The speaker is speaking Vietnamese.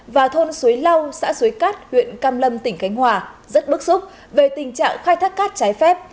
và thôn xuế lau xã suối cát huyện cam lâm tỉnh khánh hòa rất bức xúc về tình trạng khai thác cát trái phép